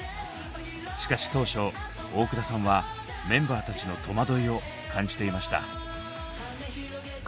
しかし当初大倉さんはメンバーたちの戸惑いを感じていました。